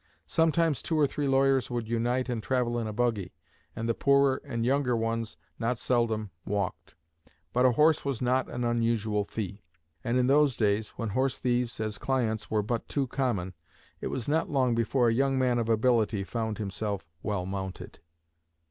Sometimes two or three lawyers would unite and travel in a buggy, and the poorer and younger ones not seldom walked. But a horse was not an unusual fee, and in those days when horse thieves as clients were but too common, it was not long before a young man of ability found himself well mounted.